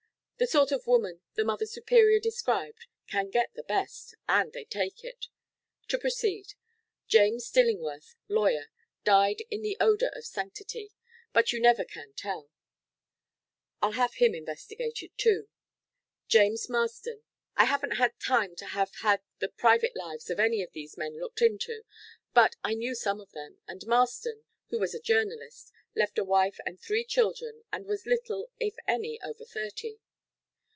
The sort of woman the Mother Superior described can get the best, and they take it. To proceed: James Dillingworth, lawyer, died in the odor of sanctity, but you never can tell; I'll have him investigated, too. James Maston I haven't had time to have had the private lives of any of these men looked into, but I knew some of them, and Maston, who was a journalist, left a wife and three children and was little, if any, over thirty.